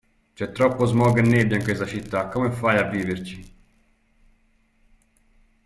C'è troppo smog e nebbia in questa città, come fai a viverci?